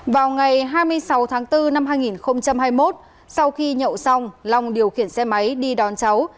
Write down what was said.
vào ngày hai mươi sáu tháng bốn năm hai nghìn hai mươi một sau khi nhậu xong long điều khiển xe máy đi đón cháu